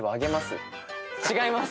違います。